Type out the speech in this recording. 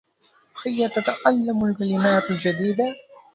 هي تتعلم كلمات جديدة.